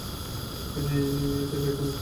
এখান থেকে এক্ষুনি পালাও!